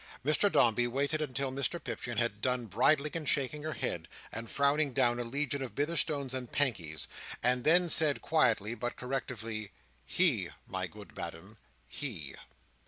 Mr Dombey waited until Mrs Pipchin had done bridling and shaking her head, and frowning down a legion of Bitherstones and Pankeys; and then said quietly, but correctively, "He, my good madam, he."